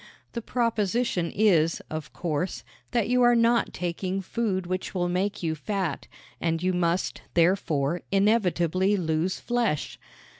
The proposition is, of course, that you are not taking food which will make fat and you must, therefore, inevitably lose flesh.